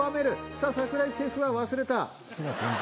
さあ、櫻井シェフは忘れた。